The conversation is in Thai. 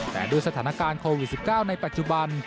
แต่ด้วยสถานการณ์โควิด๑๙ในปัจจุบัน